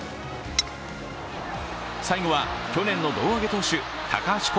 最後は去年の胴上げ投手、高橋煌